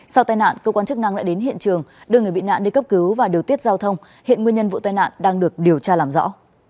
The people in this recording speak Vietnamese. sau tai nạn cơ quan chức năng đã đến hiện trường đưa người bị nạn đi cấp cứu và điều tiết giao thông hiện nguyên nhân vụ tai nạn đang được điều tra làm rõ